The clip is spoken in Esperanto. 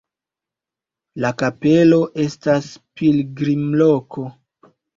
La kapelo estas pilgrimloko.